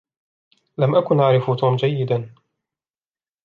لم أكن أعرف توم جيّدا.